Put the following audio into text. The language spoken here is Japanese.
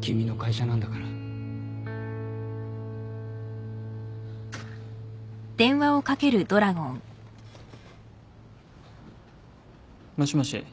君の会社なんだからもしもし。